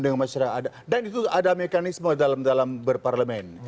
dan itu ada mekanisme dalam berparlemen